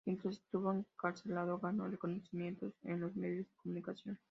Mientras estuvo encarcelado ganó reconocimiento en los medios de comunicación.